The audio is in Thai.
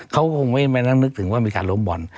เขาคงไม่นั่งนึกถึงว่ามีการล้มบ่อน